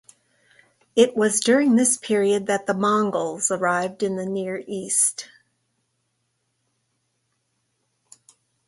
It was during this period that the Mongols arrived in the Near East.